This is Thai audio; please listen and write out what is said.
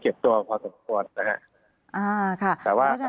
เก็บโตงพอสมควรนะฮะ